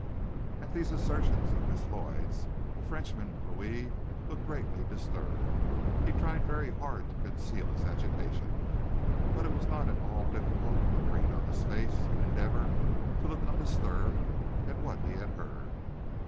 At these assertions of Miss Lloyd's, the Frenchman, Louis, looked greatly disturbed. He tried very hard to conceal his agitation, but it was not at all difficult to read on his face an endeavor to look undisturbed at what he heard.